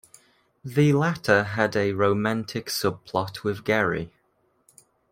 The latter had a romantic subplot with Gary.